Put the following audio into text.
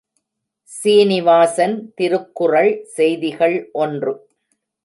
சீனிவாசன் திருக்குறள் செய்திகள் ஒன்று.